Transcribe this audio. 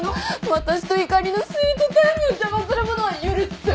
私とひかりのスイートタイムを邪魔する者は許せん！